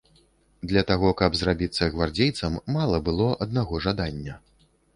Для таго, каб зрабіцца гвардзейцам, мала было аднаго жадання.